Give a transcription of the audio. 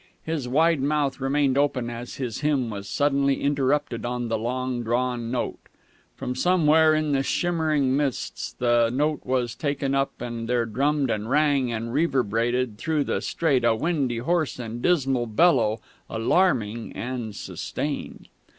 His wide mouth remained open as his hymn was suddenly interrupted on the long drawn note. From somewhere in the shimmering mists the note was taken up, and there drummed and rang and reverberated through the strait a windy, hoarse, and dismal bellow, alarming and sustained.